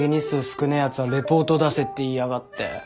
少ねえやつはレポート出せって言いやがって。